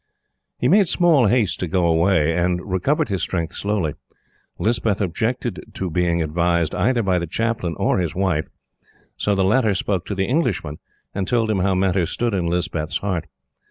He made small haste to go away, and recovered his strength slowly. Lispeth objected to being advised either by the Chaplain or his wife; so the latter spoke to the Englishman, and told him how matters stood in Lispeth's heart.